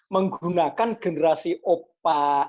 menggunakan generasi opa